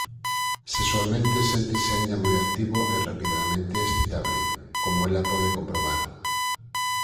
Sexualmente séntese aínda moi activo e rapidamente excitable, como ela pode comprobar.